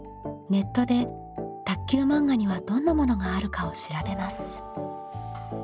ネットで卓球漫画にはどんなものがあるかを調べます。